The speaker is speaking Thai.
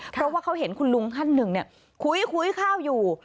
เพราะว่าเขาเห็นคุณลุงท่านหนึ่งคุยข้าวอยู่